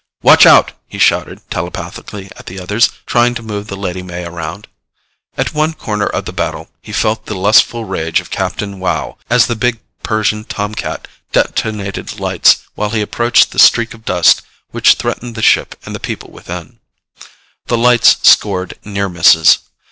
"Watch out!" he shouted telepathically at the others, trying to move the Lady May around. At one corner of the battle, he felt the lustful rage of Captain Wow as the big Persian tomcat detonated lights while he approached the streak of dust which threatened the ship and the people within. The lights scored near misses.